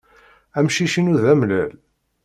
Amcic-inu d amellal.